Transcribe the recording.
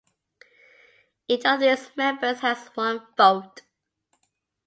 Each of these members has one vote.